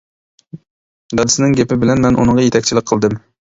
دادىسىنىڭ گېپى بىلەن مەن ئۇنىڭغا يېتەكچىلىك قىلدىم.